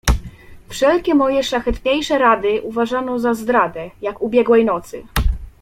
"Wszelkie moje szlachetniejsze rady uważano za zdradę, jak ubiegłej nocy."